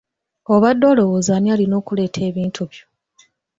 Obadde olowooza ani alina okuleeta ebintu byo?